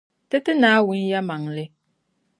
Ti ti Naawuni yεlimaŋli.